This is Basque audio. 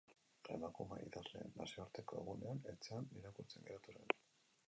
Emakume idazleen nazioarteko egunean etxean irakurtzen geratu zen.